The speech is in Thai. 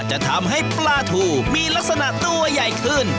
จะทำให้ปลาทูมีลักษณะตัวใหญ่ขึ้น